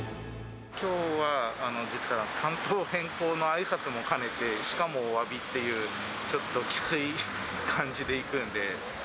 きょうは実は担当変更のあいさつも兼ねて、しかもおわびっていう、ちょっときつい感じで行くんで。